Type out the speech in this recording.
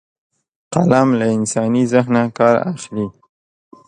قلم له انساني ذهنه کار اخلي